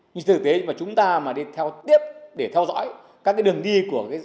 nhưng thực tế mà chúng ta mà đi theo tiếp để theo dõi các cái đường đi của cái